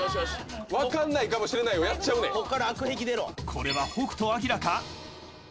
［これは北斗晶か⁉］